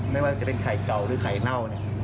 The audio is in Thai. ไม่ว่าจะเป็นไข่เก่าหรือไข่เน่าเนี่ย